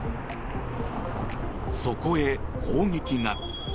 そこへ、砲撃が。